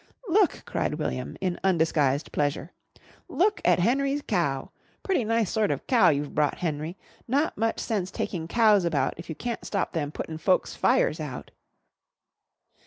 "Look!" cried William, in undisguised pleasure. "Look at Henry's cow! Pretty nice sort of cow you've brought, Henry. Not much sense taking cows about if you can't stop them puttin' folks' fires out."